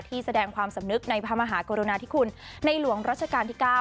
แสดงความสำนึกในพระมหากรุณาธิคุณในหลวงรัชกาลที่๙